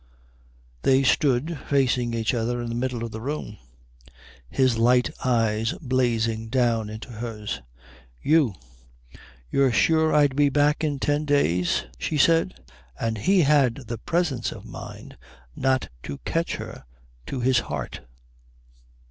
They stood facing each other in the middle of the room, his light eyes blazing down into hers. "You you're sure I'd be back in ten days?" she said. And he had the presence of mind not to catch her to his heart.